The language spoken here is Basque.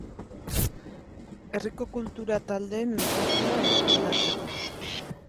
Herriko kultura taldeen elkartea eratzeko.